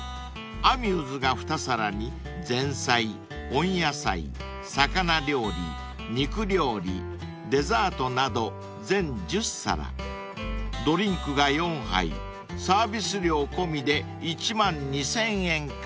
［アミューズが二皿に前菜温野菜魚料理肉料理デザートなど全１０皿ドリンクが４杯サービス料込みで１万２，０００円から］